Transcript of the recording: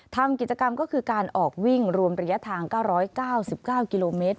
ทำกิจกรรมก็คือการออกวิ่งรวมระยะทาง๙๙๙กิโลเมตร